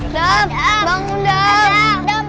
adam bangun adam